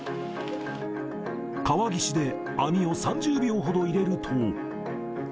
川岸で網を３０秒ほど入れると。